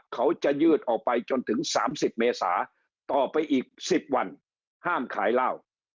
เขาจะยืดออกไปจนถึง๓๐เมษาต่อไปอีก๑๐วันห้ามขายเหล้า